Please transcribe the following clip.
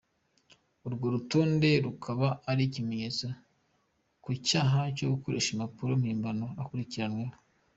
Urwo rutonde rukaba ari ikimenyetso ku cyaha cyo gukoresha impapuro mpimbano akurikiranweho.